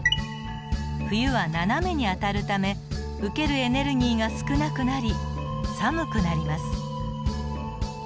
冬は斜めに当たるため受けるエネルギーが少なくなり寒くなります。